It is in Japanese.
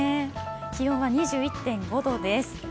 気温は２１．５度です。